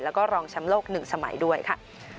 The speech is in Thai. แล้วก็รองแชมป์โลก๑สมัยด้วยค่ะ